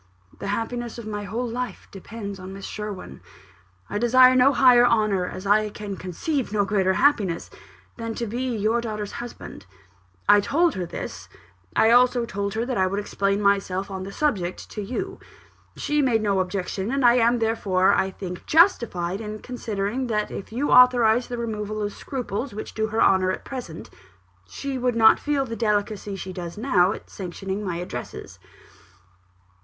The happiness of my whole life depends on Miss Sherwin; I desire no higher honour, as I can conceive no greater happiness, than to be your daughter's husband. I told her this: I also told her that I would explain myself on the subject to you. She made no objection; and I am, therefore, I think, justified in considering that if you authorised the removal of scruples which do her honour at present, she would not feel the delicacy she does now at sanctioning my addresses."